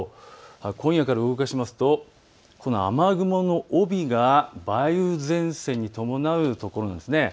今夜から動かしますと雨雲の帯が梅雨前線に伴う所なんんです。